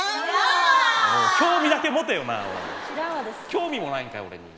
興味もないんかい俺に。